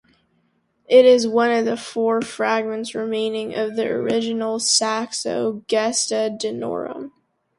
It is one of the four fragments remaining of the original Saxo "Gesta Danorum".